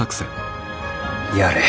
やれ。